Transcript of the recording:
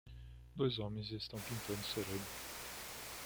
Dois homens estão pintando cerâmica.